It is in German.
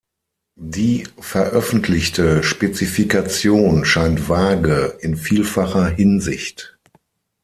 Die veröffentlichte Spezifikation scheint vage in vielfacher Hinsicht.